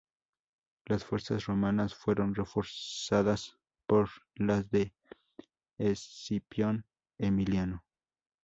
Las fuerzas romanas fueron reforzadas por las de Escipión Emiliano.